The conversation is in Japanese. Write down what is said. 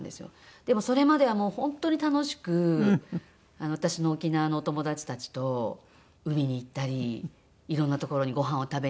でもそれまではもう本当に楽しく私の沖縄のお友達たちと海に行ったりいろんな所にごはんを食べに行ったり。